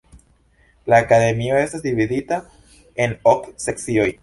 La Akademio estas dividita en ok sekcioj.